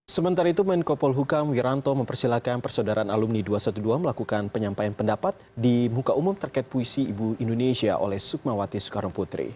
sementara itu menko polhukam wiranto mempersilahkan persaudaraan alumni dua ratus dua belas melakukan penyampaian pendapat di muka umum terkait puisi ibu indonesia oleh sukmawati soekarno putri